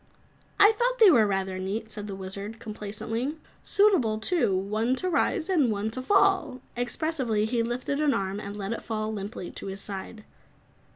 "I thought they were rather neat," said the Wizard complacently. "Suitable too, one to rise and one to fall!" Expressively he lifted an arm and let it fall limply to his side.